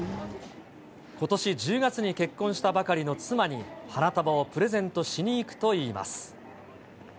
ことし１０月に結婚したばかりの妻に、花束をプレゼントしに行くといいます。